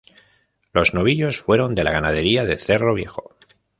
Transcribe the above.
Los novillos fueron de la ganadería de Cerro Viejo.